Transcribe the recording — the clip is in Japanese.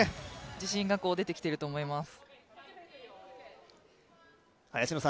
自信が出てきていると思います。